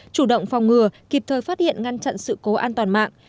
chủ động phòng ngừa kịp thời phát hiện ngăn chặn sự cố an toàn mạng